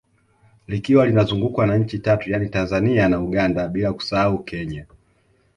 Likiwa linazungukwa na nchi Tatu yani Tanzania na Uganda bila kusahau Kenya